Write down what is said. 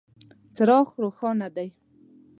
څراغ روښانه دی .